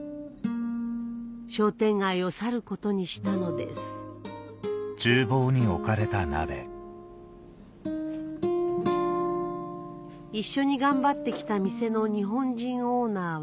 商店街を去ることにしたのです一緒に頑張って来た店の日本人オーナーは